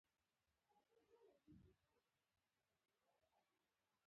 پیاز د ژمي خوراکونو برخه ده